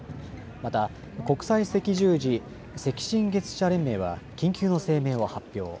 また国際赤十字・赤新月社連盟は緊急の声明を発表。